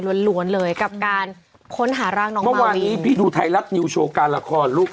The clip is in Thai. ล้วนเลยกับการค้นหาร่างน้องเมื่อวานนี้พี่ดูไทยรัฐนิวโชว์การละครลูก